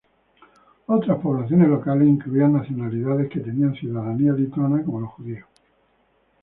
Otras poblaciones locales incluían nacionalidades que tenían ciudadanía lituana, como los judíos.